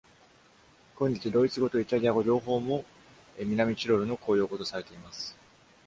今日、ドイツ語とイタリア語両方も南チロルの公用語とされています。